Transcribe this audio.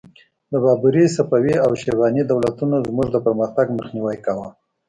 د بابري، صفوي او شیباني دولتونو زموږ د پرمختګ مخنیوی کاوه.